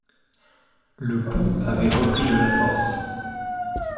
Le pouls avait repris de la force.